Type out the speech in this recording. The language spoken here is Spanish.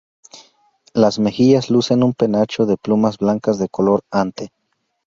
Las mejillas lucen un penacho de plumas blancas de color ante.